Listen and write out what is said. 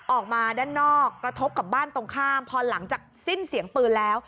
ออกมาด้านนอกกระทบกับบ้านตรงข้ามพอหลังจากสิ้นเสียงปืนแล้ว